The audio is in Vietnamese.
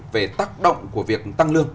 về tác động của việc tăng lương